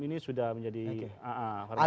ini sudah menjadi orang yang sederhana